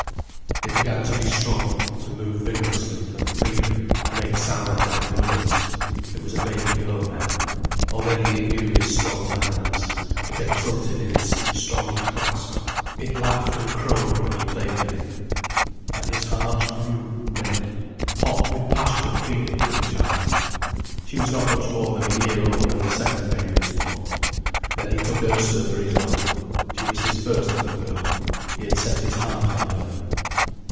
It began to be strong, to move vigorously and freely, to make sounds like words. It was a baby girl now. Already it knew his strong hands, it exulted in his strong clasp, it laughed and crowed when he played with it. And his heart grew red hot with passionate feeling for the child. She was not much more than a year old when the second baby was born. Then he took Ursula for his own. She his first little girl. He had set his heart on her.